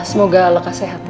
semoga leka sehat ya